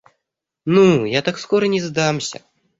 Ну, я так скоро не сдамся.